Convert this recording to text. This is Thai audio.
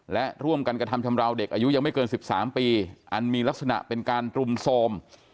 และร่วมกันกระทำชำราวเด็กอายุยังไม่เกิน๑๓ปีอันมีลักษณะเป็นการรุมโทรม